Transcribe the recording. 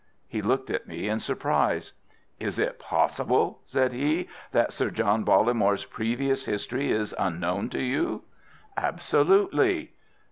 He looked at me in surprise. "Is it possible," said he, "that Sir John Bollamore's previous history is unknown to you?" "Absolutely."